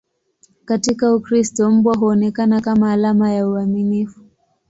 Katika Ukristo, mbwa huonekana kama alama ya uaminifu.